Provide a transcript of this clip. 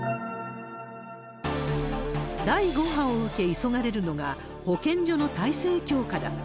第５波を受け、急がれるのが、保健所の体制強化だ。